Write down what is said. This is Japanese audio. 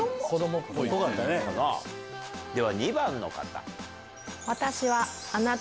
では２番の方。